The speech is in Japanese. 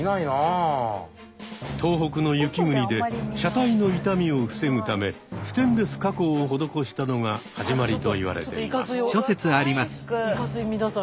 東北の雪国で車体の傷みを防ぐためステンレス加工を施したのが始まりと言われています。